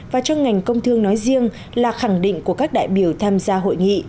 và cho ngành công thương nói riêng là khẳng định của các đại biểu tham gia hội nghị